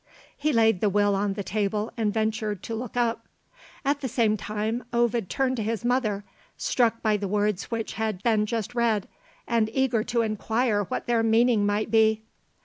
He laid the Will on the table, and ventured to look up. At the same time, Ovid turned to his mother, struck by the words which had been just read, and eager to inquire what their meaning might be.